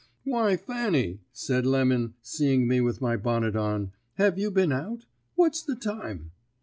"'Why, Fanny,' said Lemon, seeing me with my bonnet on, 'have you been out? What's the time?'